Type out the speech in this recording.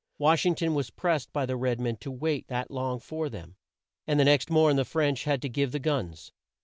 Wash ing ton was pressed by the red men to wait that long for them, and the next morn the French had to give the guns.